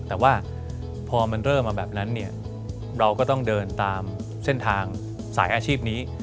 แต่ว่าพอมันเริ่มมาแบบนั้นเนี่ยเราก็ต้องเดินตามเส้นทางสายอาชีพนี้